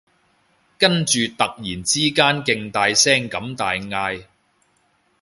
跟住突然之間勁大聲咁大嗌